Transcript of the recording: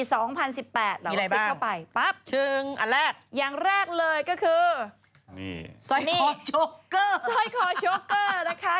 เราก็คลิกเข้าไปปั๊บอย่างแรกเลยก็คือใส้คอช็อกเกอร์